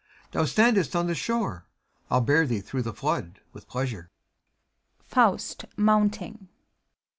Thou standest on the shore; 111 bear thee through the flood, with pleasure. U FAUST. FAUST (mounting).